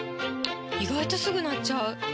意外とすぐ鳴っちゃう！